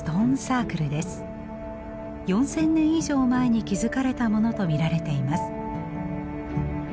４，０００年以上前に築かれたものと見られています。